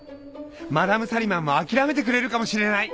マダム・サリマンも諦めてくれるかもしれない！